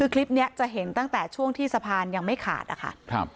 คลิปนี้จะเห็นตั้งแต่ช่วงที่สะพานยังไม่ขาดนะคะ